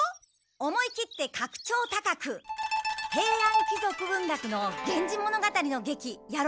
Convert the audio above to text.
思い切ってかく調高く平安貴族文学の「源氏物語」の劇やろうかと思って。